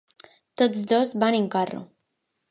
Tots dos van en carro.